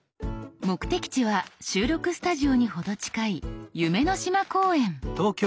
目的地は収録スタジオに程近い夢の島公園。